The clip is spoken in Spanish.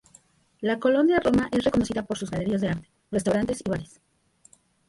La colonia Roma es reconocida por sus galerías de arte, restaurantes y bares.